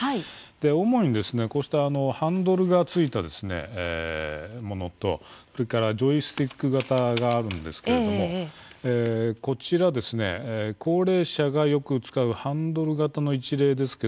主にハンドルがついたものとジョイスティック型があるんですけれどもこちらは高齢者がよく使うハンドル型の一例です。